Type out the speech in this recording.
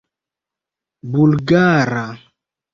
bulgara